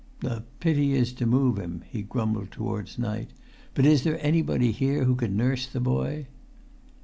"The pity is to move him," he grumbled towards night. "But is there anybody here who could nurse the boy?"